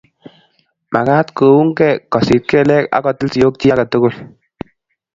mekat koungei, kosit kelek, aku til sioik chi age tugul